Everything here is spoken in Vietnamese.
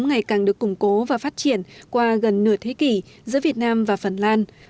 ngày càng được củng cố và phát triển qua gần nửa thế kỷ giữa việt nam và phần lan